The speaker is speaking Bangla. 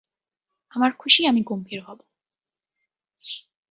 আমার খুশি আমি গম্ভীর হব।